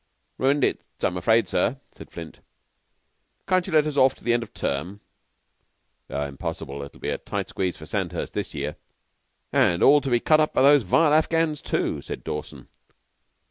"Ruined it, I'm afraid, sir," said Flint. "Can't you let us off till the end of the term?" "Impossible. It will be a tight squeeze for Sandhurst this year." "And all to be cut up by those vile Afghans, too," said Dawson.